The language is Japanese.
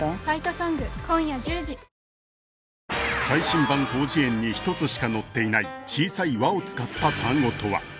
最新版広辞苑に１つしか載っていない小さい「わ」を使った単語とは？